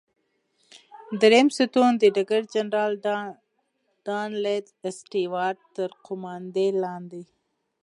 دریم ستون د ډګر جنرال ډانلډ سټیوارټ تر قوماندې لاندې.